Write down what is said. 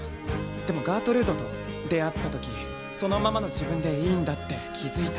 でもガートルードと出会った時そのままの自分でいいんだって気付いた。